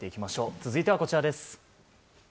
続いてはこちらです。